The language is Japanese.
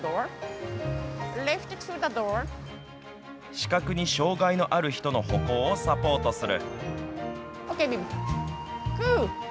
視覚に障害がある人の歩行をサポートする。